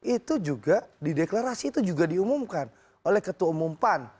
itu juga di deklarasi itu juga diumumkan oleh ketua umum pan